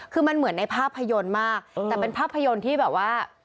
คือมันเหมือนในภาพยนตร์มากแต่เป็นภาพยนตร์ที่แบบว่า